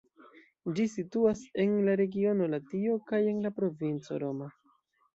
Ĝi situas en la regiono Latio kaj en la provinco Roma.